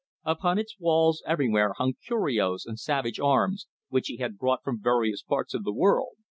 Upon its walls everywhere hung curios and savage arms, which he had brought from various parts of the world.